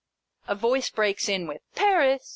A voice breaks in with " Paris